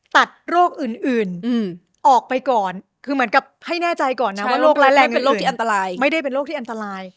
ตัดโรคอื่นออกไปก่อนคือเหมือนกับให้แน่ใจก่อนนะว่าโรคร้ายแรงเป็นโรคที่อันตรายไม่ได้เป็นโรคที่อันตราย